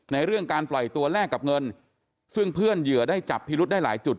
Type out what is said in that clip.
เรื่องการปล่อยตัวแลกกับเงินซึ่งเพื่อนเหยื่อได้จับพิรุษได้หลายจุด